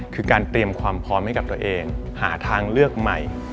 คือการเตรียมความพร้อมให้กับตัวเองหาทางเลือกใหม่